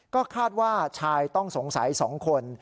ก็คาดว่าชายต้องสงสัย๒คน